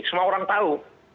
semua orang tahu